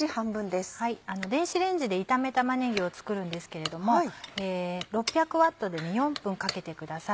電子レンジで炒め玉ねぎを作るんですけれども６００Ｗで４分かけてください。